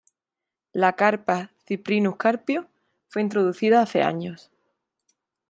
La carpa "Cyprinus carpio" fue introducida hace años.